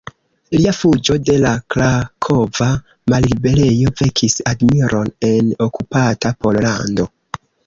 Lia fuĝo de la krakova malliberejo vekis admiron en okupata Pollando.